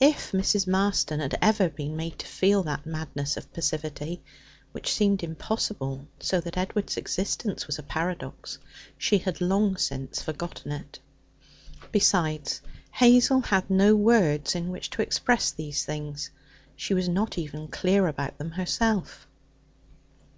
If Mrs. Marston had ever been made to feel that madness of passivity which seemed impossible, so that Edward's existence was a paradox she had long since forgotten it. Besides, Hazel had no words in which to express these things; she was not even clear about them herself.